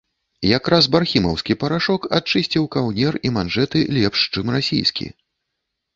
Якраз бархімаўскі парашок адчысціў каўнер і манжэты лепш, чым расійскі.